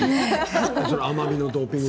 甘みのドーピング。